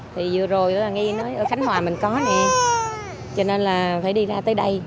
thì vừa rồi nghe nói ở khánh hòa mình có này cho nên là phải đi ra tới đây